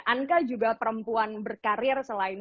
anka juga perempuan berkarir selain